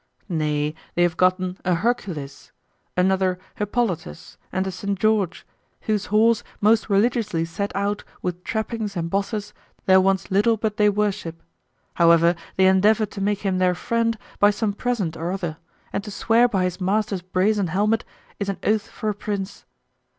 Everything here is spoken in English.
Nay, they have gotten a Hercules, another Hippolytus, and a St. George, whose horse most religiously set out with trappings and bosses there wants little but they worship; however, they endeavor to make him their friend by some present or other, and to swear by his master's brazen helmet is an oath for a prince.